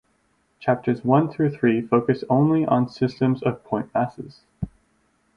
Chapters one through three focus only on systems of point masses.